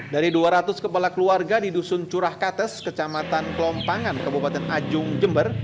dari dua ratus kepala keluarga di dusun curahkates kecamatan kelompangan kebobatan ajung jember